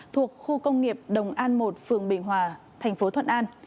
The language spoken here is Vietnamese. thuộc khu công nghiệp đồng an một phường bình hòa thành phố thuận an